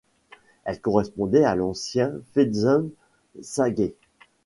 Elle correspondait à l'ancien Fézensaguet.